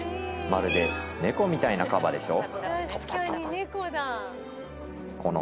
まるでネコみたいなカバでしょ？